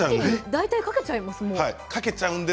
大体かけちゃいます。